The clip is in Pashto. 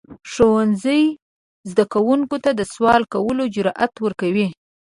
ښوونځی زده کوونکو ته د سوال کولو جرئت ورکوي.